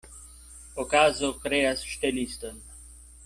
Okazo kreas ŝteliston.